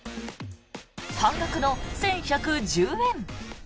半額の１１１０円。